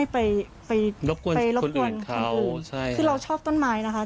ไปไปรบกวนคนอื่นเขาใช่ค่ะคือเราชอบต้นไม้นะคะ